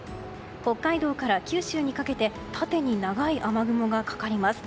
北海道から九州にかけて縦に長い雨雲がかかります。